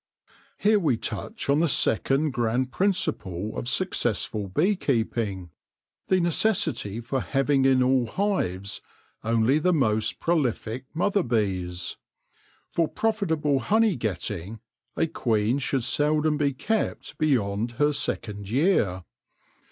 Here we touch on the second grand principle of successful bee keeping — the necessity for having in all hives only the most prolific mother bees. For profitable honey getting a queen should seldom be kept beyond her second year.